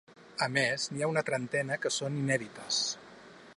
A més n’hi ha una trentena que són inèdites.